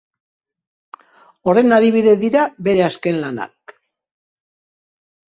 Horren adibide dira bere azken lanak.